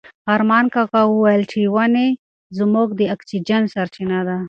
ارمان کاکا وویل چې ونې زموږ د اکسیجن سرچینه ده.